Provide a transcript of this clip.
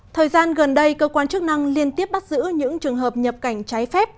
thời gian gần đây cơ quan chức năng liên tiếp bắt giữ những trường hợp nhập cảnh trái phép